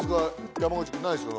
山口君ないっすか？